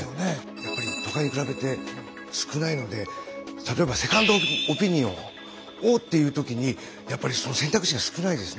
やっぱり都会に比べて少ないので例えばセカンドオピニオンをっていう時にやっぱり選択肢が少ないですね。